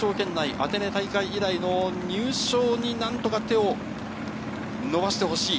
アテネ大会以来の入賞に何とか手を伸ばしてほしい。